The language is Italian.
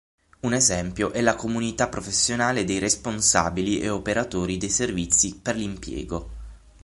Un esempio è la comunità professionale dei responsabili e operatori dei Servizi per l'Impiego.